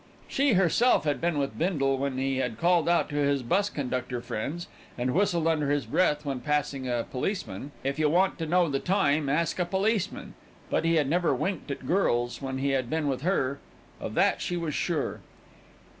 She herself had been with Bindle when he had called out to his bus conductor friends, and whistled under his breath when passing a policeman, "If You Want to Know the Time Ask a Policeman"; but he had never winked at girls when he had been with her; of that she was sure.